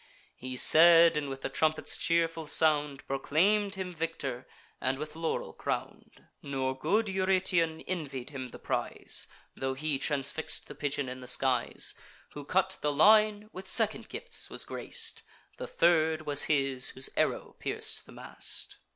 He said, and, with the trumpets' cheerful sound, Proclaim'd him victor, and with laurel crown'd. Nor good Eurytion envied him the prize, Tho' he transfix'd the pigeon in the skies. Who cut the line, with second gifts was grac'd; The third was his whose arrow pierc'd the mast.